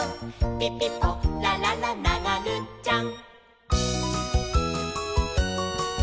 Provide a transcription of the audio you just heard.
「ピピポラララながぐっちゃん！！」